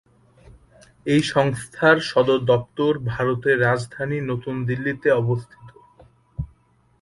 এই সংস্থার সদর দপ্তর ভারতের রাজধানী নতুন দিল্লিতে অবস্থিত।